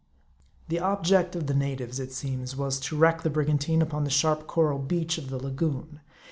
The object of the natives, it seems, was to wreck the brigantine upon the sharp coral beach of the lagoon.